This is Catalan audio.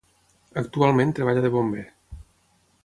Actualment treballa de bomber.